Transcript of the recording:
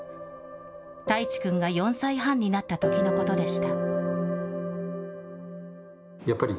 たいちくんが４歳半になったときのことでした。